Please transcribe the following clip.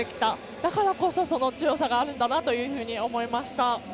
だからこそ、その強さがあるんだなと思いました。